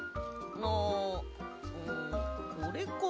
ああこれかなあ。